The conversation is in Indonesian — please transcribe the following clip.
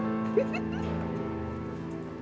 opa ah kepintaran buku apa